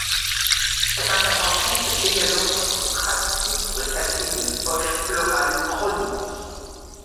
Cette intervention peut également être pratiquée pour effacer une poche pleurale chronique.